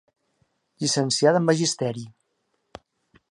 Llicenciada en magisteri.